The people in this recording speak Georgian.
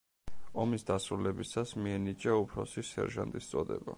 ომის დასრულებისას მიენიჭა უფროსი სერჟანტის წოდება.